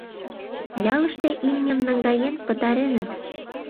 "Ялыште имньым наҥгаен пытареныт.